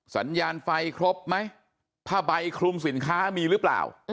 สัญญาณไฟครบไหมผ้าใบคลุมสินค้ามีหรือเปล่า